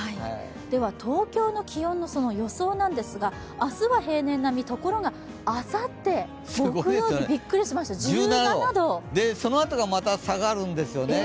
では、東京の気温の予想なんですが明日は平年並み、ところがあさって木曜日、びっくりしました、そのあとがまた下がるんですよね。